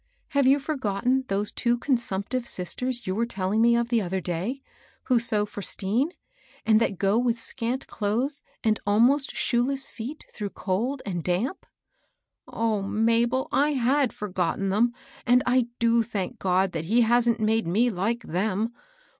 Have you for gotten those two consumptive sisters you were tell ing me of the other day, who sew for Stean, and 134 MABEL ROSS. that go with scant clothes and almost shoeless feet through cold and damp ?" ^^0 Mabel I I Aac? forgotten them; and I do thank God that he hasn't made me Kke them.